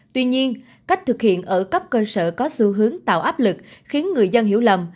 tuy nhiên cách thực hiện ở cấp cơ sở có xu hướng tạo áp lực khiến người dân hiểu lầm